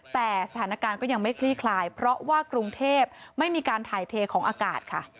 แต่สถานการณ์ก็ยังไม่คลี่คลายเพราะว่ากรุงเทพไม่มีการถ่ายเทของอากาศค่ะ